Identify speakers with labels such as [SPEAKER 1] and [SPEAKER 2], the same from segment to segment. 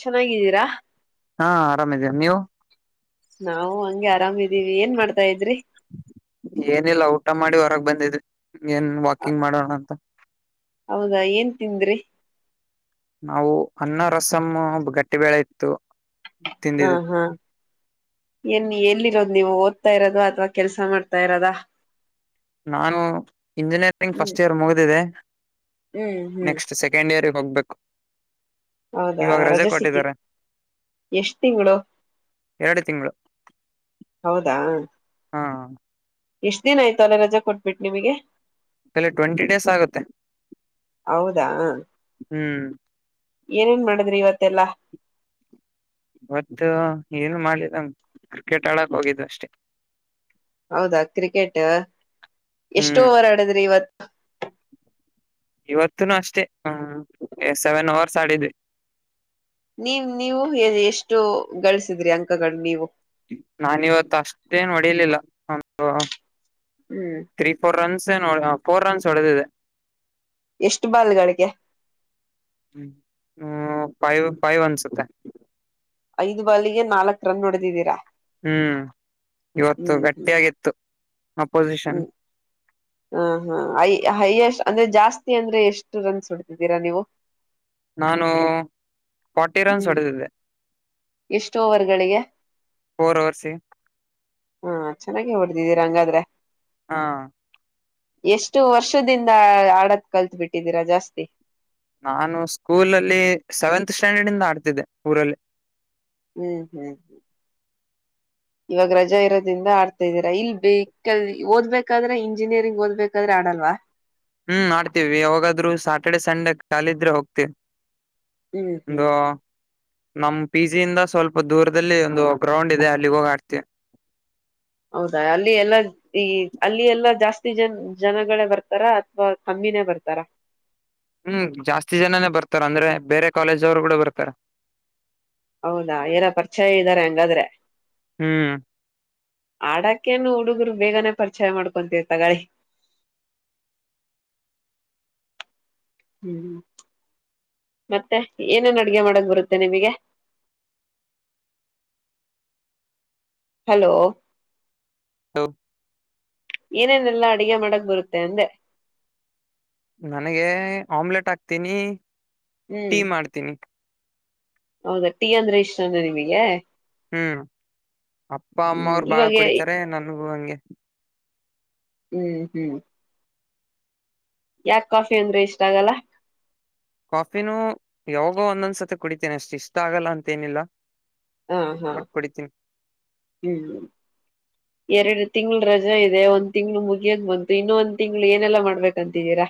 [SPEAKER 1] ಚೆನ್ನಾಗಿದ್ದೀರಾ
[SPEAKER 2] ಹಾ ಆರಾಮಿದೀರ ನೀವು
[SPEAKER 1] ನಾವು ಹಂಗೆ ಆರಾಮಿದೀವಿ ಏನ್ ಮಾಡ್ತಾ ಇದ್ರಿ
[SPEAKER 2] ಏನಿಲ್ಲ ಊಟ ಮಾಡಿ ಹೊರಗ್ ಬಂದಿದ ಏನ್ ವಾಕಿಂಗ್ ಮಾಡೋಣ ಅಂತ
[SPEAKER 1] ಹೌದಾ ಏನ್ ತಿಂದ್ರಿ
[SPEAKER 2] ನಾವು ಅನ್ನ ರಸಮ ಗಟ್ಟಿಬೇಳೆ ಇತ್ತು
[SPEAKER 1] ಹಾ
[SPEAKER 2] ತಿಂದಿದ್ವಿ
[SPEAKER 1] ಹಾ ಎನ್ ಎಲ್ಲಿ ಇ್ ನೀವು ಓದ್ತಾ ಇರೋದ ಅಥ್ವಾ ಕೆಲ್ಸ ಮಾಡ್ತಾ ಇರೋದ
[SPEAKER 2] ನಾನು ಇಂಜಿನಿಯರಿಂಗ್
[SPEAKER 1] ಹ್ಮ್
[SPEAKER 2] ಫಸ್ಟ್ ಇಯರ್ ಮುಗಿದಿದೆೆ
[SPEAKER 1] ಹ್ಮ್ ಹ್ಮ್
[SPEAKER 2] ನೆಕ್ಸ್ಟ್ ಸೆಕೆಂಡ್ ಇಯರ್ ಹೋಗ್ಬೇಕು
[SPEAKER 1] ಹೌದಾ
[SPEAKER 2] ಇವಾಗ ರಜೆ
[SPEAKER 1] ರಜಸಿಕಿ
[SPEAKER 2] ಕೊಟ್ಟಿದ್ದಾರೆ
[SPEAKER 1] ಎಷ್ಟ್ ತಿಂಗಳು
[SPEAKER 2] ಎರಡು ತಿಂಗಳು
[SPEAKER 1] ಹೌದಾ
[SPEAKER 2] ಹಾ
[SPEAKER 1] ಎಷ್ಟ್ ದಿನ ಆಯ್ತ ಅಲ್ಲೇ ರಜಾ ಕೊಟ್ಬಿಟ್ು ನಿಮಗೆ
[SPEAKER 2] ಅಲ್ಲಿ ಟ್ವೆಂಟಿ ಡೇಸ್ ಆಗುತ್ತೆ
[SPEAKER 1] ಹೌದಾ
[SPEAKER 2] ಹ್ಮ್
[SPEAKER 1] ಏನೇನ್ ಮಾಡಿದ್ರಿ ಇವತ್ತೆಲ್ಲಾ
[SPEAKER 2] ಇತ್ತು ಏನು ಮಾಡ್ಿದ ಕ್ರಿಕೆಟ್ ಆಳಕ್ ಹೋಗಿದ್ದು ಅಷ್ಟೇ
[SPEAKER 1] ಹೌದಾ ಕ್ರಿಕೆಟ್ ಎಷ್ಟು
[SPEAKER 2] ಹ್ಮ್
[SPEAKER 1] ಓವರ್ ಆಡದ್ರಿ ಇವತ್ತು
[SPEAKER 2] ಇವತ್ತುನು ಅಷ್ಟೇ ಹ ಸೆವೆನ್ ಅವರ್ಸ್ ಆಡಿದ್ದೆ
[SPEAKER 1] ನೀವ ನೀವು ಎಷ್ಟು ಗಳಿಸಿದ್ರಿ ಅಂಕಗಳು ನೀವು
[SPEAKER 2] ನಾನ್ ಇವತ್ ಅಷ್ಟೇನ್ ಹೊಡಿಲಿಲ್ಲ ಒ
[SPEAKER 1] ಹ್ಮ್
[SPEAKER 2] ್ರರಿಫರನ್ಸ್ ಫೋರ್ ರನ್ಸ್ ಹೊಡದದೆ
[SPEAKER 1] ಎಷ್ಟು ಬಾಲ್ಗಳಿಗೆ
[SPEAKER 2] ಹ್ಮ್ ಫೈವ್ ಫೈವ್ ಅನ್ಸುತ್ತೆ
[SPEAKER 1] ಐದು ಬಾಲಿಗೆ ನಾಲ್ಕಕ್ ರನ್ ನೋಡ್ದಿದ್ದೀರಾ
[SPEAKER 2] ಹ್ಮ್ ಇವತ್ತು
[SPEAKER 1] ಹ್ಮ್
[SPEAKER 2] ಗಟ್ಟಿಯಾಗಿತ್ತು ಅಪೋಸಿಷನ್
[SPEAKER 1] ಹಾ ಹಾ ಐ ಹೈಯಸ್ ಅಂದ್ರೆ ಜಾಸ್ತಿ ಅಂದ್ರೆ ಎಷ್ಟು ರನ್ಸ್ ಹುಡ್ತಿದ್ದೀರಾ ನೀವು
[SPEAKER 2] ನಾನು ಫಾರ್ಟಿ ರನ್ಸ್
[SPEAKER 1] ಹ್ಮ್
[SPEAKER 2] ಹೊಡೆದಿದ್ದೆ
[SPEAKER 1] ಎಷ್ಟು ಓವರ್ಗಳಿಗೆ
[SPEAKER 2] ಫೋರ್ ಓರ್ಸಿ
[SPEAKER 1] ಫ್ರೀ ಇದೀರಾ ಹಂಗಾದ್ರೆ
[SPEAKER 2] ಹಾ
[SPEAKER 1] ಎಷ್ಟು ವರ್ಷದಿಂದ ಆಡದ ಕಲ್ತ್ ಬಿಟ್ಟಿದ್ದೀರಾ ಜಾಸ್ತಿ
[SPEAKER 2] ನಾನು ಸ್ಕೂಲ ಅಲ್ಲಿ ಸೆವೆಂತ್ ಸ್ಟ್ಯಾಂಡರ್ಡ್ ಇಂದ ಆಡ್ತಿದ್ದೆ ಊರಲ್ಲಿ
[SPEAKER 1] ಹ್ಮ್ ಹ್ಮ್ ಹ್ಮ್ ಇವಾಗ ರಜೆ ಇರೋದ್ರಿಂದ ಆಡ್ತಾ ಇದೀರಾ ಇಲ್ ಬೇಕ ಓದ್ಬೇಕಾದ್ರೆ ಇಂಜಿನಿಯರಿಂಗ್ ಓದ್ಬೇಕಾದ್ರೆ ಆಡಲ್ವಾ
[SPEAKER 2] ಹ್ಮ್ ಮಾಡ್ತೀವಿ ಯಾವಾಗಾದ್ರು ಸಾಟರ್ಡೆ ಸಂಡೆ ಕಾಲಿದ್ರೆ ಹೋಗ್ತಿವಿ
[SPEAKER 1] ಹ್ಮ್ ಹ್ಮ್.
[SPEAKER 2] ನಮ ಪಿ ಜಿ ಇಂದ ಸ್ವಲ್ಪ ದೂರದಲ್ಲಿ ಒಂದು ಗ್ರೌಂಡ್ ಇದೆ ಅಲ್ಲಿ ಹೋಗ ಆಡ್ತಿ.
[SPEAKER 1] ಹೌದಾ ಅಲ್ಲಿ ಎಲ್ಲಾ ಈ ಅಲ್ಲಿ ಎಲ್ಲಾ ಜಾಸ್ತಿ ಜನ್ ಜನಗಳೇ ಬರ್ತಾರಾ ಅಥವಾ ಕಮ್ಮಿನೇ ಬರ್ತಾರ.
[SPEAKER 2] ಹ್ಮ್ ಜಾಸ್ತಿ ಜನಾನೇ ಬರ್ತಾರ ಅಂದ್ರೆ ಬೇರೆ ಕಾಲೇಜ್ವರು ಕೂಡ ಬರ್ತಾರ.
[SPEAKER 1] ಹೌದಾ ಏನ ಪರಿಚಯ ಇದ್ದಾರೆ ಹಂಗಾದ್ರೆ.
[SPEAKER 2] ಹ್ಮ್.
[SPEAKER 1] ಆಡಕ್ಕೇನು ಹುಡುಗರು ಬೇಗನೆ ಪರಿಚಯ ಮಾಡ್ಕೊಂತೀವಿ ತಗೊಳ್ಳಿ. ಹ್ಮ್ ಮತ್ತೆ ಏನೇನ್ ಅಡ್ಗೆ ಮಾಡಕ್ ಬರುತ್ತೆ ನಿಮಗೆ. ಹಲೋ.
[SPEAKER 2] ಹೌ.
[SPEAKER 1] ಏನೇನೆಲ್ಲ ಅಡುಗೆ ಮಾಡಕ್ ಬರುತ್ತೆ ಅಂದೆ.
[SPEAKER 2] ನನಗೆ ಆಮ್ಲೆಟ್ ಹಾಕ್ತೀನಿ ಟೀ
[SPEAKER 1] ಹ್ಮ್
[SPEAKER 2] ಮಾಡ್ತೀನಿ
[SPEAKER 1] ಹೌದಾ ಟೀ ಅಂದ್ರೆ ಇಷ್ಟನ ನಿಮಗೆ
[SPEAKER 2] ಹ್ಮ್ ಅಪ್ಪ ಅಮ್ಮ
[SPEAKER 1] ಹ್ಮ್
[SPEAKER 2] ಅವ್ರು ಬಾಳ
[SPEAKER 1] ಇವಾಗ
[SPEAKER 2] ಕುಡಿತಾರೆ ನನ್ಗೂ ಹಂಗೆ
[SPEAKER 1] ಹ್ಮ್ ಹ್ಮ್ ಯಾಕ ಕಾಫಿ ಅಂದ್ರೂ ಇಷ್ಟ ಆಗಲ್ಲ
[SPEAKER 2] ಕಾಫಿನೂ ಯಾವಾಗೋ ಒಂದೊಂದ್ಸತಿ ಕುಡಿತೇನೆ ಅಷ್ಟು ಇಷ್ಟ ಆಗಲ್ಲ ಅಂತೇಏನಿಲ್ಲ
[SPEAKER 1] ಹಾ ಹಾ ಹ್ಮ್ ಎರಡು ತಿಂಗಳ ರಜೆ ಇದೆ ಒಂದ್ ತಿಂಗಳು ಮುಗಿಯದ ಬಂತು ಇನ್ನು ಒಂದ್ ತಿಂಗ್ಳ ಏನೆಲ್ಲಾ ಮಾಡ್ಬೇಕಂತಿದ್ದೀರಾ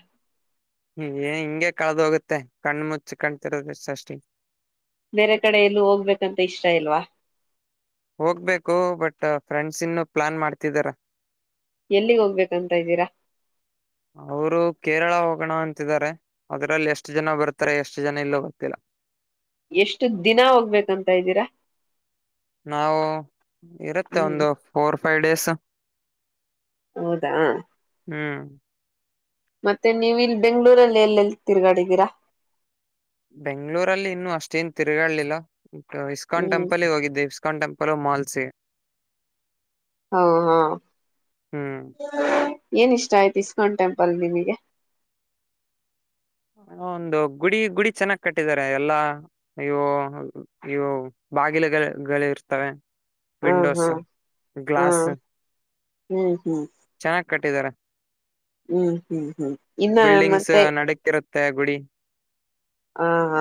[SPEAKER 2] ಹ್ಮ್ ಏ ಹಿಂಗೆ ಕಳದ ಹೋಗುತ್ತೆ ಕಣ್ಣು ಮುಚ್ಚ ಕಾಣ್ತಿರೋದಷ್ಟ ಅಷ್ಟಿ
[SPEAKER 1] ಬೇರೆ ಕಡೆ ಎಲ್ಲೂ ಹೋಗ್ಬೇಕಂತ ಇಷ್ಟ ಇಲ್ವಾ
[SPEAKER 2] ಹೋಗ್ಬೇಕು ಬಟ್ ಫ್ರೆಂಡ್ಸ್ ಇನ್ನು ಪ್ಲಾನ್ ಮಾಡ್ತಿದಾರ
[SPEAKER 1] ಎಲ್ಲಿಗ್ ಹೋಗ್ಬೇಕಂತ ಇದ್ದೀರಾ
[SPEAKER 2] ಅವರು ಕೇರಳ ಹೋಗೋಣ ಅಂತಿದ್ದಾರೆ ಅದ್ರಲ್ಲಿ ಎಷ್ಟು ಜನ ಬರ್ತಾರೆ ಎಷ್ಟು ಜನ ಇಲ್ಲೋ ಗೊತ್ತಿಲ್ಲ
[SPEAKER 1] ಎಷ್ಟು ದಿನ ಹೋಗ್ಬೇಕಂತ ಇದ್ದೀರಾ
[SPEAKER 2] ನಾವು ಇರುತ್ತೆ
[SPEAKER 1] ಹ್ಮ್
[SPEAKER 2] ಒಂದು ಫೋರ್ ಫೈವ್ ಡೇಸ್
[SPEAKER 1] ಹೌದಾ
[SPEAKER 2] ಹ್ಮ್
[SPEAKER 1] ಮತ್ತೆ ನೀವು ಇಲ್ಲಿ ಬೆಂಗ್ಗಳೂರಲ್ಲಿ ಎಲ್ಲೆಲ್ಲಿ ತಿರ್ಗಾಡಿದ್ದೀರಾ
[SPEAKER 2] ಬೆಂಗ್ಳೂರಲ್ಲಿ ಇನ್ನುೂ ಅಷ್ಟೇನ್ ತಿರುಗಾಲಿಲ್ಲ ಇಸ್ಕಾನ್
[SPEAKER 1] ಹ್ಮ್
[SPEAKER 2] ಟೆಂಪಲ್ಗೆ ಹೋಗಿದ್ದೆ ಇ ಕಂಟೆಂಪಲೋ ಮಾಲ್ಸೆ
[SPEAKER 1] ಹಾ ಹಾ
[SPEAKER 2] ಹ್ಮ್
[SPEAKER 1] ಏನ್ ಇಷ್ಟ ಆಯ್ತು ಇಸ್ಕಾನ್ ಟೆಂಪಲ್ ಅಲ್ಲಿ ನಿಮಗೆ
[SPEAKER 2] ಒಂದು ಗುಡಿ ಗುಡಿ ಚೆನ್ನಾಗಿ ಕಟ್ಟಿದಿದ್ದಾರೆ ಎಲ್ಲಾ ಇವು ಇವು ಬಾಗಿಲುಗಳು ಇರ್ತವೆ
[SPEAKER 1] ಹ ಹಾ
[SPEAKER 2] ವಿಂಡೋಸ್
[SPEAKER 1] ಹಾ
[SPEAKER 2] ಗ್ಲಾಸ್
[SPEAKER 1] ಹ್ಮ್ ಹ್ಮ್
[SPEAKER 2] ಚೆನ್ನಾಗಿ ಕಟ್ಟಿದಿದ್ದಾರೆ
[SPEAKER 1] ಹ್ಮ್ ಹ್ಮ್. ಇನ್ನ
[SPEAKER 2] ಬಿಲ್ಡಿಂಗ್ಸ್
[SPEAKER 1] ಮತ್ತೆ.
[SPEAKER 2] [unintelligible] ಗುಡಿ.
[SPEAKER 1] ಹಾ ಹಾ.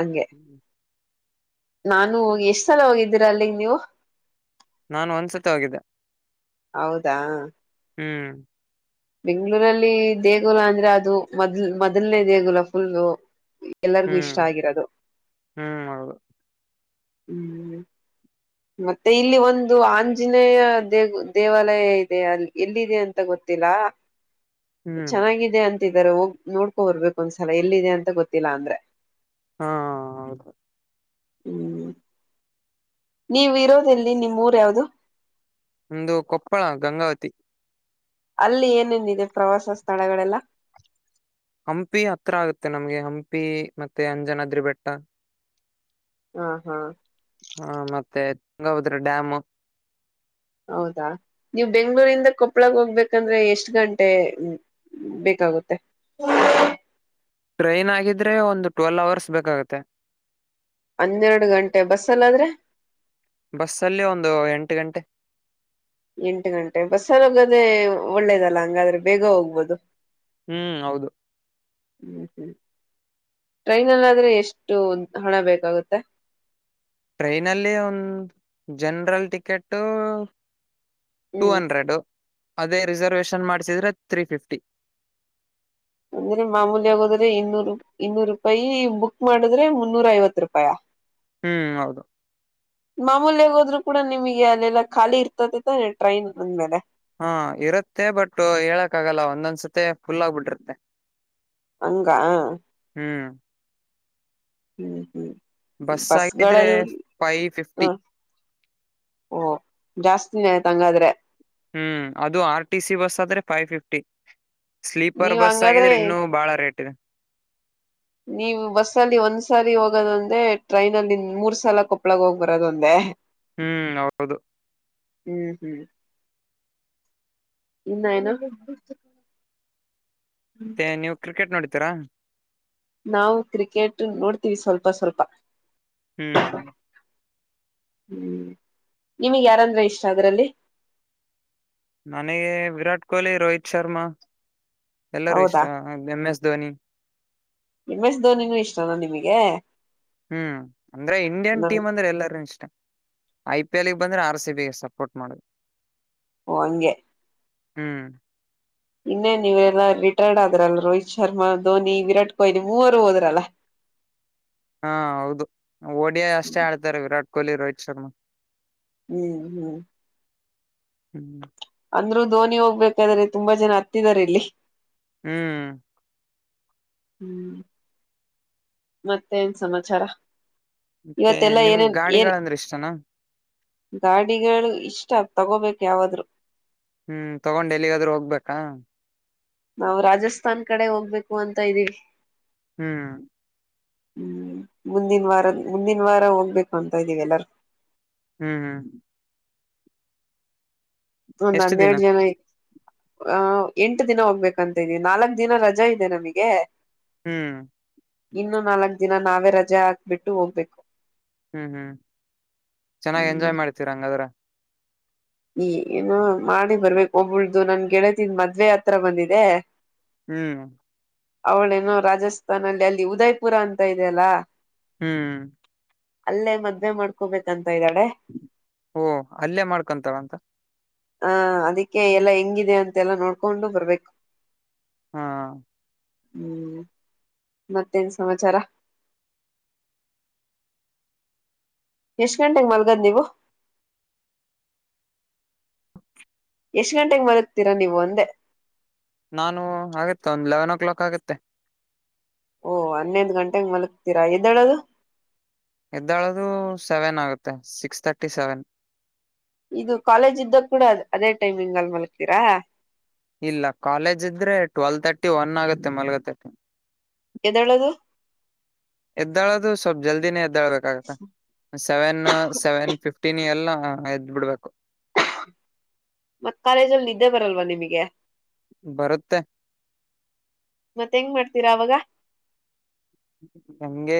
[SPEAKER 1] ಹಂಗೆ
[SPEAKER 2] ಹ್ಮ್.
[SPEAKER 1] ನಾನು ಎಷ್ಟ್ ಸಲ ಹೋಗಿದ್ದೀರ ಅಲ್ಲಿಗೆ ನೀವು.
[SPEAKER 2] ನಾನು ಒಂದ್ಸತಿ ಹೋಗಿದ್ದೆ
[SPEAKER 1] ಹೌದಾ
[SPEAKER 2] ಹ್ಮ್.
[SPEAKER 1] ಬೆಂಗ್ಗಳೂರಲ್ಲಿ ದೇಗುಲ ಅಂದ್ರೆ ಅದು ಮೊದ್ಲ್ ಮೊದಲನೇ ದೇಗುಲ ಫುಲ್. ಎಲ್ಲರಿಗೂ
[SPEAKER 2] ಹ್ಮ್
[SPEAKER 1] ಇಷ್ಟ ಆಗಿರೋದು.
[SPEAKER 2] ಹ್ಮ್ ಹೌದು
[SPEAKER 1] ಹ್ಮ್. ಮತ್ತೆ ಇಲ್ಲಿ ಒಂದು ಆಂಜನೇಯ ದೇವ ದೇವಾಲಯ ಇದೆ ಎಲ್ಲಿದೆ ಅಂತ ಗೊತ್ತಿಲ್ಲ.
[SPEAKER 2] ಹ್ಮ್
[SPEAKER 1] ಚೆನ್ನಾಗಿದೆ ಅಂತ. [unintelligible] ಹೋಗ ನೋಡ್ಕೊ ಬರ್ಬೇಕು ಒಂದ್ಸಲ ಎಲ್ಲಿದೆ ಅಂತ ಗೊತ್ತಿಲ್ಲಾ ಅಂದ್ರೆ
[SPEAKER 2] ಹಾ ಹೌದು
[SPEAKER 1] ಹ್ಮ್ ನೀವು ಇರೋದೆಲ್ಲಿ ನಿಮ್ಮೂರ ಯಾವ್ದದು
[SPEAKER 2] ಒಂದು ಕೊಪ್ಪಳ ಗಂಗಾವತಿ
[SPEAKER 1] ಅಲ್ಲಿ ಏನೇನಿದೆ ಪ್ರವಾಸ ಸ್ಥಳಗಳೆಲ್ಲ
[SPEAKER 2] ಹಂಪಿ ಅತ್ರ ಆಗುತ್ತೆ ನಮ್ಗೆ ಹಂಪಿ ಮತ್ತೆ ಅಂಜನಾದ್ರಿ ಬೆಟ್ಟ
[SPEAKER 1] ಹಾ ಹಾ
[SPEAKER 2] ಹ ಮತ್ತೆ ತುಂಗಭದ್ರ ಡ್ಯಾಮು
[SPEAKER 1] ಹೌದಾ ನೀವು ಬೆಂಗ್ಳೂರಿಂದ ಕೊಪ್ಪಳಗೆ ಹೋಗ್ಬೇಕಂದ್ರೆ ಎಷ್ಟ್ ಗಂಟೆ ಬೇಕಾಗುತ್ತೆ
[SPEAKER 2] ಟ್ರೈನ್ ಆಗಿದ್ರೆ ಒಂದು ಟ್ವೆಲ್ ಅವರ್ಸ್ ಬೇಕಾಗುತ್ತೆ
[SPEAKER 1] ಹನ್ನೆರಡು ಗಂಟೆ ಬಸ್ಲಾದ್ರೆ
[SPEAKER 2] ಬಸ್ಸಲ್ಲಿ ಒಂದು ಎಂಟು ಗಂಟೆ
[SPEAKER 1] ಎಂಟು ಗಂಟೆ ಬಸ್ಸಲ್ಲಿ ಹೋಗದೆೇ ಒಳ್ಳೇದಲ್ಲ ಹಂಗಾದ್ರೆ ಬೇಗ ಹೋಗ್ಬೋದು
[SPEAKER 2] ಹ್ಮ್ ಹೌದು
[SPEAKER 1] ಹ್ಮ್ ಹ್ಮ್ ಟ್ರೈನಲ್ಲಾದ್ರೆ ಎಷ್ಟು ಹಣ ಬೇಕಾಗುತ್ತೆ
[SPEAKER 2] ಟ್ರೈನಲ್ಲಿ ಒಂದು ಜನರಲ್ ಟಿಕೆಟು ಟೂ
[SPEAKER 1] ಹ್ಮ್
[SPEAKER 2] ಹಂಡ್ರೆಡು ಅದೇ ರಿಸರ್ವೇಶನ್ ಮಾಡ್ಸಿದ್ರೆ ಥ್ರೀ ಫಿಫ್ಟಿ
[SPEAKER 1] ಅಂದ್ರೆ ಮಾಮೂಲ್ಯಗೋದ್ರೆ ಇನ್ನೂರು ಇನ್ನೂರು ರೂಪಾಯಿ ಬುಕ್ ಮಾಡಿದ್ರೆ ಮುನ್ನೂರ ಐವತ್ ರೂಪಾಯ
[SPEAKER 2] ಹ್ಮ್ ಹೌದು
[SPEAKER 1] ಮಾಮೂಲ್ಯಾಗ ಹೋದ್ರು ಕೂಡ ನಿಮಗೆ ಅಲ್ಲೆಲ್ಲಾ ಖಾಲಿ ಇರ್ತತಿತೆ ಟ್ರೈನ್ ಅಂದ್ಮೇಲೆ
[SPEAKER 2] ಹಾ ಇರುತ್ತೆ ಬಟ್ ಹೇಳಕ್ ಆಗಲ್ಲ ಒಂದೊಂದ್ಸತಿ ಫುಲ್ ಆಗ್ಬಿಟ್ಟಿರುತ್ತೆ
[SPEAKER 1] ಹಂಗ
[SPEAKER 2] ಹ್ಮ್
[SPEAKER 1] ಹ್ಮ್ ಹ್ಮ್
[SPEAKER 2] ಬಸ್ ಆಗಿದ್ರೆ
[SPEAKER 1] ಬಸ್ಗಳಲ್ಲಿ
[SPEAKER 2] ಫೈವ್
[SPEAKER 1] ಹ
[SPEAKER 2] ಫಿಫ್ಟಿ
[SPEAKER 1] ಓ ಜಾಸ್ತಿ ತಂಗಾದ್ರೆ
[SPEAKER 2] ಹ್ಮ್ ಅದು ಆರ್ ಟಿ ಸಿ ಬಸ್ ಆದ್ರೆ ಫೈವ್ ಫಿಫ್ಟಿ ಸ್ಲೀಪರ್
[SPEAKER 1] ನೀವ್
[SPEAKER 2] ಬಸ್
[SPEAKER 1] ಹಂಗಾದ್ರೆ
[SPEAKER 2] ಆಗಿದ್ರೆ ಇನ್ನುೂ ಬಾಳ ರೇಟ್ ಇದೆ.
[SPEAKER 1] ನೀವು ಬಸ್ ಅಲ್ಲಿ ಒಂದ್ಸಾರಿ ಹೋಗದಂದೆ ಟ್ರೈನ್ ಅಲ್ಲಿ ಮೂರ್ ಸಲ ಕೊಪ್ಪಳಾಗ ಹೋಗಿ ಬರದೊಂದೆ
[SPEAKER 2] ಹ್ಮ್ ಹೌದು
[SPEAKER 1] ಹ್ಮ್ ಹ್ಮ್ ಇನ್ನ ಎನು
[SPEAKER 2] ಮತ್ತೆ ನೀವು ಕ್ರಿಕೆಟ್ ನೋಡ [unintelligible]
[SPEAKER 1] ನಾವು ಕ್ರಿಕೆಟ್ ನೋಡ್ತೀವಿ ಸ್ವಲ್ಪ ಸ್ವಲ್ಪ
[SPEAKER 2] ಹ್ಮ್
[SPEAKER 1] ಹ್ಮ್ ನಿಮಗ್ ಯಾರಂದ್ರೆ ಇಷ್ಟ ಅದರಲ್ಲಿ
[SPEAKER 2] ನನಗೆ ವಿರಾಟ್ ಕೊಹ್ಲಿ ರೋಹಿತ್ ಶರ್ಮಾ ಎಲ್ಲರೂ ಇಷ್ಟ
[SPEAKER 1] ಹೌದಾ
[SPEAKER 2] M S Dhoni
[SPEAKER 1] M S ಧೋನಿನು ಇಷ್ಟನಾ ನಿಮಗೆ
[SPEAKER 2] ಹ್ಮ್ ಅಂದ್ರೆ ಇಂಡಿಯನ್
[SPEAKER 1] ನನ್
[SPEAKER 2] ಟೀಮ್ ಅಂದ್ರೆ ಎಲ್ಲಾರೂ ಇಷ್ಟಾ ಐ ಪಿ ಎಲ್ಗೆ ಬಂದ್ರೆ ಆರ್ ಸಿ ಬಿ ಸಪೋರ್ಟ್ ಮಾಡುದು.
[SPEAKER 1] ಓ ಹಂಗೆ
[SPEAKER 2] ಹ್ಮ್
[SPEAKER 1] ಇನ್ನೇ ನೀವರೆಲ್ಲಾ ರಿಟೈರ್ಡ್ ಆದ್ರಲ್ಲ ರೋಹಿತ್ ಶರ್ಮಾ, ಧೋನಿ ವಿರಾಟ್ ಕೊಹ್ಲಿ, ಮೂವರು ಹೋದ್ರಲ್ಲ
[SPEAKER 2] ಹಾ ಹೌದು ಓಡಿಯ ಅಷ್ಟೇ
[SPEAKER 1] ಹ್ಮ್
[SPEAKER 2] ಆಡತ್ತಾರೆ ವಿರಾಟ್ ಕೊಹಲಿ ರೋಹಿತತ್ ಶರ್ಮಾ
[SPEAKER 1] ಹ್ಮ್ ಹ್ಮ್
[SPEAKER 2] ಹ್ಮ್
[SPEAKER 1] ಅಂದ್ರು ಧೋನಿ ಹೋಗ್ಬೇಕಾದ್ರೆ ತುಂಬಾ ಜನ ಅತ್ತಿದಾರೆ ಇಲ್ಲಿ
[SPEAKER 2] ಹ್ಮ್
[SPEAKER 1] ಹ್ಮ್ ಮತ್ತೇನ್ ಸಮಾಚಾರಾ
[SPEAKER 2] ಮತ್ತೆ ನಿಮ ಗಾಡಿಗಳಂದ್ರೆ ಇಷ್ಟನಾ
[SPEAKER 1] ಗಾಡಿಗಳು ಇಷ್ಟ ತಗೋಬೇಕು ಯಾವಾದ್ರು
[SPEAKER 2] ಹ್ಮ್ ತಗೊಂಡು ಎಲ್ಲಿಗಾದ್ರೂ ಹೋಗ್ಬೇಕಾ
[SPEAKER 1] ನಾವು ರಾಜಸ್ಥಾನ್ ಕಡೆ ಹೋಗ್ಬೇಕು ಅಂತ ಇದ್ದೀವಿ
[SPEAKER 2] ಹ್ಮ್
[SPEAKER 1] ಹ್ಮ್ ಮುಂದಿನ ವಾರದ ಮುಂದಿನ ವಾರ ಹೋಗ್ಬೇಕು ಅಂತ ಇದ್ದೀವಿ ಎಲ್ಲಾರೂ
[SPEAKER 2] ಹ್ಮ್ ಹ್ಮ್
[SPEAKER 1] ಒಂದ್
[SPEAKER 2] ಎಷ್ಟು ದಿನ
[SPEAKER 1] ಹನ್ನೆರಡ ಜನ ಐ ಆ ಎಂಟು ದಿನ ಹೋಗ್ಬೇಕಂತ ಇದಿ ನಾಲ್ಕ್ ದಿನ ರಜಾ ಇದೆ ನಮಗೆ.
[SPEAKER 2] ಹ್ಮ್
[SPEAKER 1] ಇನ್ನೂ ನಾಲ ದಿನ ನಾವೇ ರಜೆ ಹಾಕ್ಬಿಟ್ಟು ಹೋಗ್ಬೇಕು.
[SPEAKER 2] ಹ್ಮ್ ಹ್ಮ್ ಚೆನ್ನಾಗಿ ಎಂಜಾಯ್ ಮಾಡ್ತಿರಂಗಾದ್ರ
[SPEAKER 1] ಏನು ಮಾಡಿ ಬರ್ಬೇಕು ಒಬಳ್ದು ನನ್ ಗೆಳತಿದ್ ಮದ್ವೆ ಹತ್ರ ಬಂದಿದೆ.
[SPEAKER 2] ಹ್ಮ್
[SPEAKER 1] ಅವಳ್ ಇನು ರಾಜಸ್ಥಾನ ಅಲ್ಲಿ ಅಲ್ಲಿ ಉದಯ್ಪುರ ಅಂತ ಇದಿಯಲ್ಲ
[SPEAKER 2] ಹ್ಮ್
[SPEAKER 1] ಅಲ್ಲೇ ಮದ್ವೆ ಮಾಡ್ಕೋಬೇಕಂತ. ಇದ್ದಾಳೆ
[SPEAKER 2] ಓ ಅಲ್ಲೇ ಮಾಡ್ತ ಕ್ಕಂತರ ಅಂತ
[SPEAKER 1] ಹಾ ಅದಿಕ್ಕೆ ಎಲ್ಲಾ ಹೆಂಗಿದೆ ಅಂತೆಲ್ಲ ನೋಡ್ಕೊಂಡು ಬರ್ಬೇಕು.
[SPEAKER 2] ಹಾ.
[SPEAKER 1] ಹ್ಮ್ ಮತ್ತೇನ್ ಸಮಾಚಾರ. ಎಷ್ಟ ಗಂಟೆಗೆ ಮಲ್ಗದ್ ನೀವು. ಎಷ್ಟ್ ಗಂಟೆಗೆ ಮಲಕ್ತೀರಾ ನೀವು ಅಂದೇ
[SPEAKER 2] ನಾನು ಆಗುತ್ತೆ ಒಂದ್ ಎಲೆವೆನ್ ಓ ಕ್ಲಾಕ್ ಆಗತ್ತೆ
[SPEAKER 1] ಓಹ ಹನ್ನೊದ್ ಗಂಟೆಗೆ ಮಲಗ್ತೀರಾ ಎದ್ದಳದು
[SPEAKER 2] ಎದ್ದಾಳದು ಸೆವೆನ್ ಆಗುತ್ತೆ ಸಿಕ್ಸ್ ತರ್ಟಿ ಸೆವೆನ್
[SPEAKER 1] ಇದು ಕಾಲೇಜ್ ಇದ್ದಾಗ ಕೂಡ ಅದೇ ಟೈಮಿಂಗ್ ಅಲ್ ಮಲಗ್ಕ್ತೀರಾ
[SPEAKER 2] ಇಲ್ಲ ಕಾಲೇಜ್ ಇದ್ರೆ ಟ್ವೆಲ್ವ ತರ್ಟಿ ಒನ್ ಆಗುತ್ತೆ ಮಾಲ್ಗಕೆ
[SPEAKER 1] ಎದ್ದೇಳೋದು
[SPEAKER 2] [unintelligible] ಜಲ್ದಿನೆ ಎದ್ [unintelligible] ಳ್ಬೇಕಾಗತ್ತ ಸೆವೆನ್ ಸೆವೆನ್ ಫಿಫ್ಟೀನ್ ಎಲ್ಲ ಹಾ ಎದ್ ಬಿಡ್ಬೇಕು
[SPEAKER 1] ಮತ್ ಕಾಲೇಜ ಅಲ್ಲಿ ನಿದ್ದೆ ಬರಲ್ವಾ ನಿಮಗೆ.
[SPEAKER 2] ಬರುತ್ತೆ.
[SPEAKER 1] ಮತ್ತ ಹೆಂಗ ಮಾಡ್ತೀರಾ ಅವಾಗ.
[SPEAKER 2] ಹಂಗೆ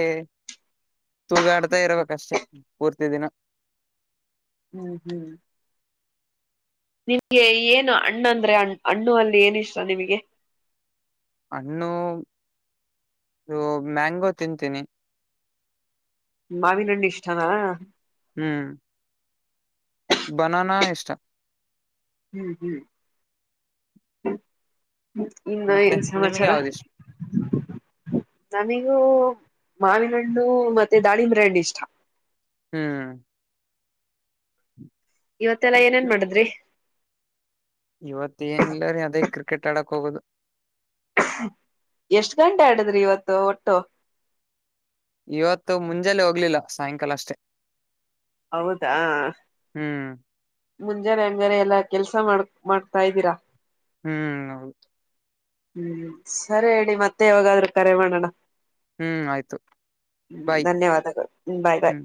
[SPEAKER 2] ತೂಗಾಡ್ತಾ ಇರ್ಬೇಕಷ್ಟೆ ಪೂರ್ತಿ ದಿನ.
[SPEAKER 1] ಹ್ಮ್ ಹ್ಮ್ ನಿಮ್ಗೆ ಏನು ಅಣ್ಣಂದ್ರೆ ಹಣ್ಣು ಅಲ್ಲಿ ಏನ ಇಷ್ಟ ನಿಮಗೆ.
[SPEAKER 2] ಹಣ್ಣು ಇದು ಮ್ಯಾಂಗೋ ತಿಂತೀನಿ
[SPEAKER 1] ಮಾವಿನ ಹಣ್ಣು ಇಷ್ಟಾನ.
[SPEAKER 2] ಹ್ಮ್ ಬನಾನ ಇಷ್ಟ
[SPEAKER 1] ಹ್ಮ್ ಹ್ಮ್ ಇನ್ನು
[SPEAKER 2] ಮತ್ತೆ
[SPEAKER 1] ಏನ್
[SPEAKER 2] ನಿಮ್ಗೆ
[SPEAKER 1] ಸಮಾಚಾರ
[SPEAKER 2] ಯಾವ್ದು ಇಷ್ಟ
[SPEAKER 1] ನನಿಗೂ. ಮಾವಿನಹಣ್ಣು ಮತ್ತೆ ದಾಳಿಂಬ ಬ್ರ್ಯಾಂಡಿ ಇಷ್ಟ
[SPEAKER 2] ಹ್ಮ್.
[SPEAKER 1] ಇವತ್ತೆಲ್ಲಾ ಏನೇನ್ ಮಾಡಿದ್ರಿ
[SPEAKER 2] ಇವತ್ ಏನಿಲ್ಲರಿ ಅದೇ ಕ್ರಿಕೆಟ್ ಆಡಕ್ ಹೋಗದು
[SPEAKER 1] ಎಷ್ಟ್ ಗಂಟೆ ಆಡದ್ರಿ ಇವತ್ತು ಒಟ್ಟು
[SPEAKER 2] ಇವತ್ತು ಮುಂಜಾಲೆ ಹೋಗ್ಲಿಲ್ಲ ಸಾಯಂಕಾಲ ಅಷ್ಟೇ.
[SPEAKER 1] ಹೌದಾ
[SPEAKER 2] ಹ್ಮ್
[SPEAKER 1] ಮುಂಜಾನೆ ಹಂಗಾರೆ ಎಲ್ಲಾ ಕೆಲ್ಸ. [unintelligible] ಮಾಡ್ ಮಾಡ್ತಾ ಇದ್ದೀರಾ
[SPEAKER 2] ಹ್ಮ್ ಹೌದು
[SPEAKER 1] ಹ್ಮ್ ಸರಿ ಇಡಿ ಮತ್ತೆ ಯಾವಾಗಾದ್ರೂ ಕರೆ ಮಾಡೋಣ.
[SPEAKER 2] ಹ್ಮ್ ಆಯ್ತು ಬಾಯ್
[SPEAKER 1] ಧನ್ಯವಾದಗಳು ಬಾಯ್
[SPEAKER 2] ಹ್ಮ್
[SPEAKER 1] ಬಾಯ್